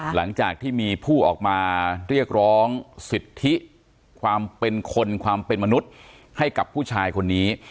หลังจากที่มีผู้ออกมาเรียกร้องสิทธิความเป็นคนความเป็นมนุษย์ให้กับผู้ชายคนนี้